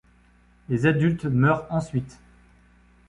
Les adultes meurent ensuite.